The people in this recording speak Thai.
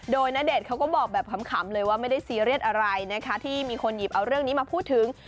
โดยณเดชน์เขาก็บอกแบบขำเลยว่าไม่ได้ซีเรียสอะไรนะคะที่มีคนหยิบเอาเรื่องนี้มาพูดถึง